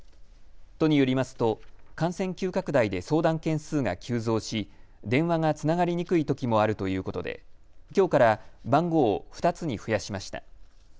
都によりますと感染急拡大で相談件数が急増し電話がつながりにくいときもあるということできょうから番号を２つに増やしました。